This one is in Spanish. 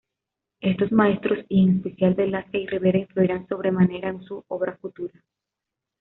Estos maestros, y en especial Velázquez y Ribera, influirán sobremanera en su obra futura.